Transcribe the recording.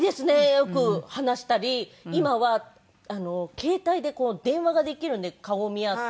よく話したり今は携帯で電話ができるんで顔を見合って。